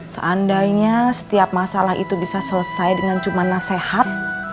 seandainya setiap masalah itu bisa selesai dengan cuma nasihat